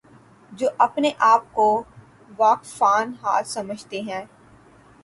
جو اپنے آپ کو واقفان حال سمجھتے ہیں۔